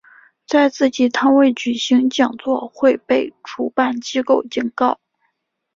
在自己摊位举行讲座会被主办机构警告。